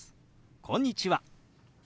「こんにちは」。